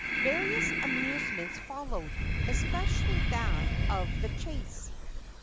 529 SPAIN Various amusements followed, especially that of the chase.